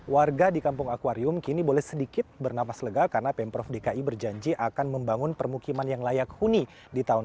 warga di kampung akwarium kini boleh sedikit bernapas lega karena pemprov dki berjanji akan membangun permukiman yang layak huni di tahun dua ribu dua puluh